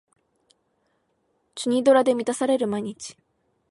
チュニドラで満たされる毎日